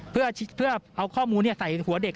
เพื่อเอาข้อมูลใส่หัวเด็ก